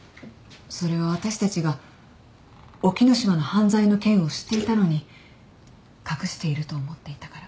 それは私たちが沖野島の犯罪の件を知っていたのに隠していると思っていたから。